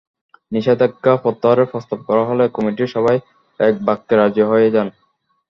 নিষেধাজ্ঞা প্রত্যাহারের প্রস্তাব করা হলে কমিটির সবাই একবাক্যে রাজি হয়ে যান।